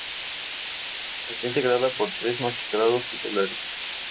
Está integrada por tres magistrados titulares.